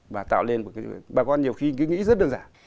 và tạo nên bà con nhiều khi nghĩ rất đơn giản